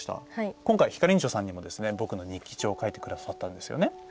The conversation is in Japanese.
今回、ひかりんちょさんも「ぼくの日記帳」を書いてくれたんですよね。